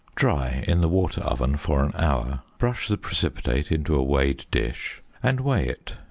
Dry in the water oven for an hour. Brush the precipitate into a weighed dish, and weigh it.